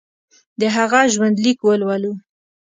د هغه ژوندلیک ولولو.